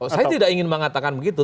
saya tidak ingin mengatakan begitu